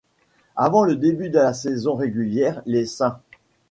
Avant le début de la saison régulière, les St.